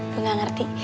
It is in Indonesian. gua gak ngerti